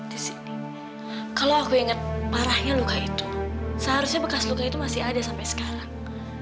di sini kalau aku ingat parahnya luka itu seharusnya bekas luka itu masih ada sampai sekarang